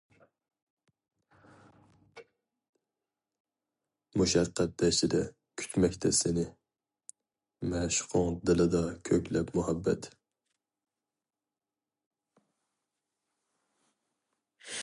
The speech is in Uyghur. مۇشەققەت دەشتىدە كۈتمەكتە سېنى، مەشۇقۇڭ دىلىدا كۆكلەپ مۇھەببەت.